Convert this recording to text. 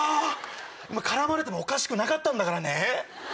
絡まれてもおかしくなかったんだからね。